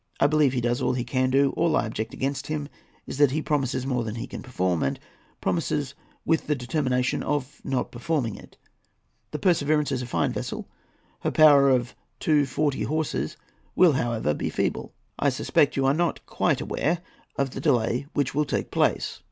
I believe he does all he can do; all I object against him is that he promises more than he can perform, and promises with the determination of not performing it. The Perseverance is a fine vessel. Her power of two forty horses will, however, be feeble. I suspect you are not quite aware of the delay which will take place."